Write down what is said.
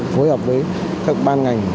phối hợp với các ban ngành